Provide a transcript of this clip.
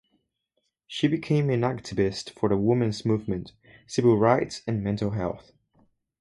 She became an activist for the women's movement, civil rights and mental health.